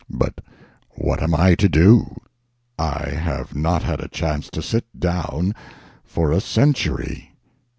But what am I to do? I have not had a chance to sit down for a century."